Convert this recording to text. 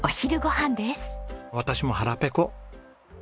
私も腹ペコ。